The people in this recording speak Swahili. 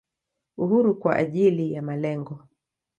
Uhuru kwa ajili ya malengo.